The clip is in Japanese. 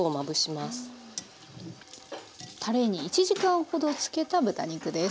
たれに１時間ほど漬けた豚肉です。